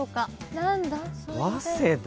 何だ？